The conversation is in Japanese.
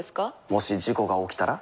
もし事故が起きたら？